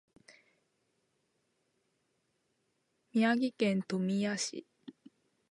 宮城県富谷市